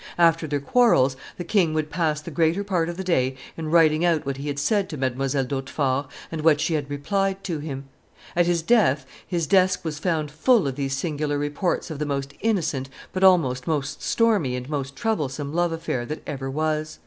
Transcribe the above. After their quarrels, the king would pass the greater part of the day in writing out what he had said to Mdlle. d'Hautefort and what she had replied to him. At his death, his desk was found full of these singular reports of the most innocent, but also most stormy and most troublesome love affair that ever was.